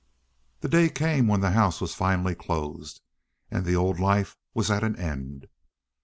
The day came when the house was finally closed and the old life was at an end.